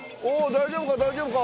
大丈夫か大丈夫か？